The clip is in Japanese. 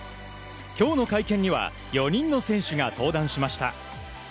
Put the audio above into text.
今日の会見には４人の選手が登壇しました。